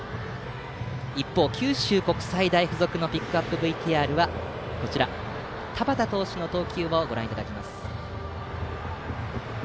一方、九州国際大付属のピックアップＶＴＲは田端投手の投球です。